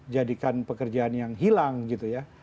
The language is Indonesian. jadikan pekerjaan yang hilang gitu ya